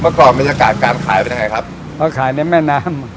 ก่อนบรรยากาศการขายเป็นยังไงครับก็ขายในแม่น้ำ